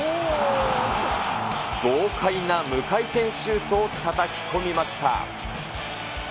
豪快な無回転シュートをたたき込みました。